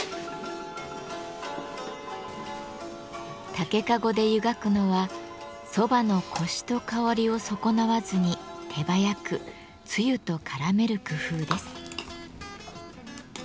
竹かごで湯がくのは蕎麦のコシと香りを損なわずに手早くつゆと絡める工夫です。